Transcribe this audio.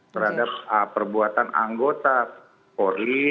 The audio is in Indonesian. terhadap perbuatan anggota polri